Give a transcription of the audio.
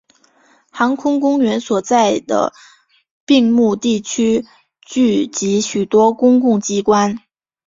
航空公园所在的并木地区聚集许多公共机关。